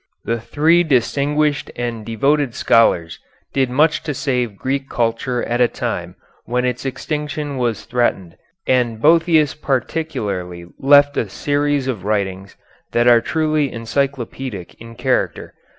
The three distinguished and devoted scholars did much to save Greek culture at a time when its extinction was threatened, and Boëthius particularly left a series of writings that are truly encyclopedic in character.